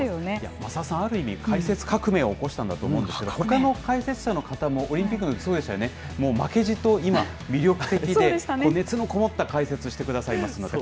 増田さん、ある意味、解説革命を起こしたんだと思うんですけれども、ほかの解説者の方も、オリンピックのとき、そうでしたよね、もう負けじと今、魅力的で熱の込もった解説してくださいます。